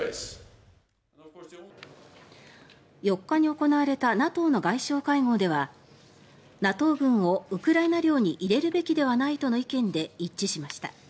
４日に行われたＮＡＴＯの外相会合ではＮＡＴＯ軍をウクライナ領に入れるべきではないとの意見で一致しました。